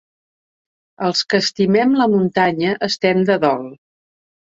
Els que estimem la muntanya estem de dol.